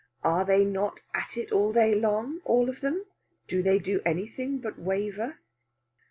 Are they not at it all day long, all of them? Do they do anything but waver?